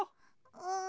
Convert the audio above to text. うん。